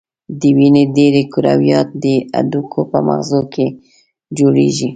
د وینې ډېری کرویات د هډوکو په مغزو کې جوړیږي.